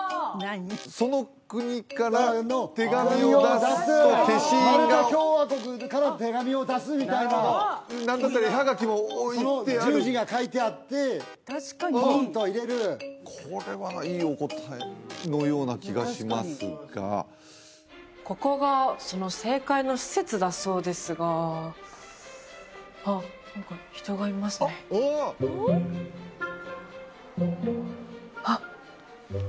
その国から手紙を出すマルタ共和国から手紙を出すみたいな何だったら絵葉書も置いてある十字が描いてあってポンと入れるこれはいいお答えのような気がしますがここがその正解の施設だそうですがあっ何か人がいますねあっ